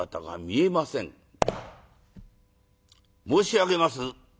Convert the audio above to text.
「申し上げます」。